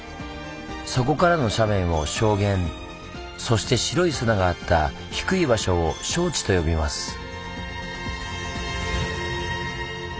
そこからの斜面を「礁原」そして白い砂があった低い場所を「礁池」と呼びます。